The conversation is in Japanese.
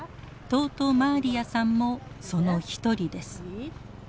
トート・マーリアさんもその一人です。